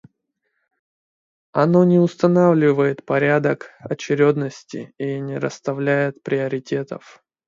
Оно не устанавливает порядок очередности и не расставляет приоритетов.